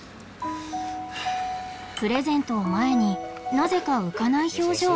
プレゼントを前になぜか浮かない表情